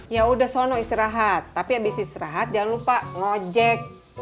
yaudah sono istirahat tapi abis istirahat jangan lupa ngojek